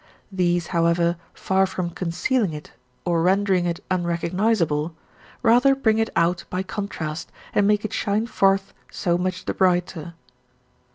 These, however, far from concealing it, or rendering it unrecognizable, rather bring it out by contrast and make it shine forth so much the brighter.